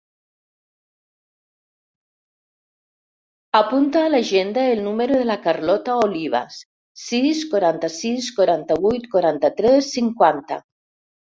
Apunta a l'agenda el número de la Carlota Olivas: sis, quaranta-sis, quaranta-vuit, quaranta-tres, cinquanta.